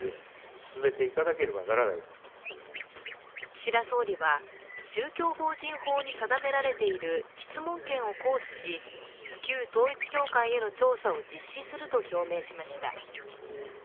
岸田総理は宗教法人法に定められている質問権を行使し、旧統一教会への調査を実施すると表明しました。